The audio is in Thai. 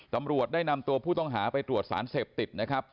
ตำรวจได้นำตัวผู้ต้องหาไปตรวจสารเสพติดนะครับ